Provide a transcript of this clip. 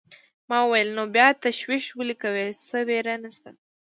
ما وویل: نو بیا تشویش ولې کوې، څه وېره نشته.